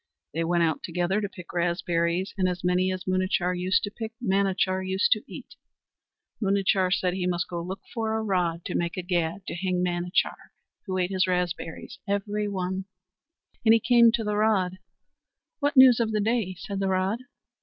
They went out together to pick raspberries, and as many as Munachar used to pick Manachar used to eat. Munachar said he must go look for a rod to make a gad to hang Manachar, who ate his raspberries every one; and he came to the rod. "What news the day?" said the rod.